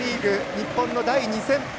日本の第２戦。